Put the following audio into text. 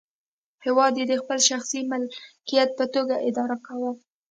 هېواد یې د خپل شخصي ملکیت په توګه اداره کاوه.